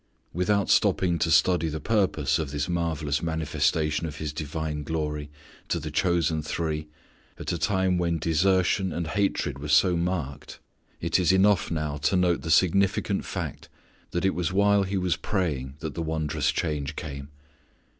Without stopping to study the purpose of this marvellous manifestation of His divine glory to the chosen three at a time when desertion and hatred were so marked, it is enough now to note the significant fact that it was while He was praying that the wondrous change came.